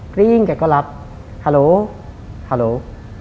กรี๊งแกก็รับฮัลโหลฮัลโหล